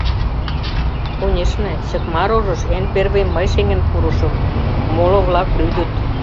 Конешне, чыкма рожыш эн первый мый шеҥын пурышым, моло-влак лӱдыт.